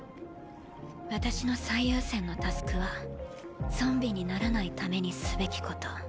私の最優先のタスクはゾンビにならないためにすべきこと。